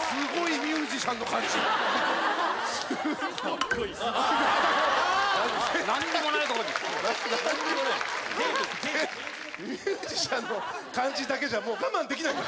ミュージシャンの感じだけじゃ我慢できない。